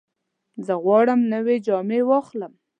زه غواړم نوې جامې واخلم.